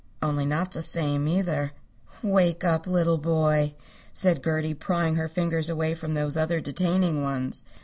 Only not the same, either." "Wake up, little boy," said Gertie, prying her fingers away from those other detaining ones.